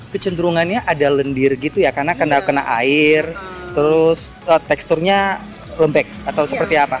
kecenderungannya ada lendir gitu ya karena kena air terus teksturnya lembek atau seperti apa